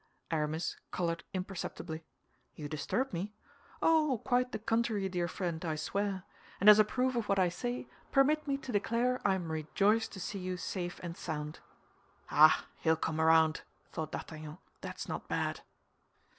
Aramis colored imperceptibly. "You disturb me? Oh, quite the contrary, dear friend, I swear; and as a proof of what I say, permit me to declare I am rejoiced to see you safe and sound." "Ah, he'll come round," thought D'Artagnan; "that's not bad!"